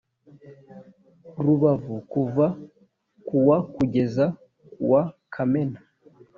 Rubavu kuva ku wa kugeza kuwa Kamena